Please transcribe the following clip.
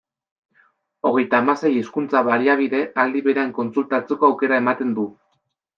Hogeita hamasei hizkuntza-baliabide aldi berean kontsultatzeko aukera ematen du.